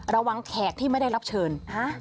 ระวังแขกที่ไม่ได้รับเชิญ